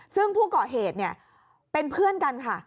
ซึ่งผู้ก่อเหตุเนี่ยเป็นเพื่อนกันค่ะ